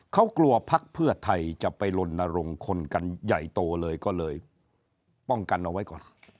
เขากลัวพักเพื่อไทยจะไปลนรงค์คนกันใหญ่โตเลยก็เลยป้องกันเอาไว้ก่อน